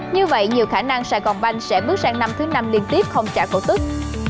như vậy nhiều khả năng sài gòn banh sẽ bước sang năm thứ năm liên tiếp không trả cổ tức